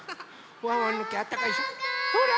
ワンワンのけあったかいでしょ。